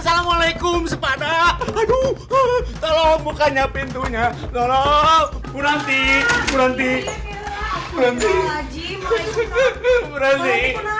salamualaikum sepadak aduh tolong bukanya pintunya tolong punanti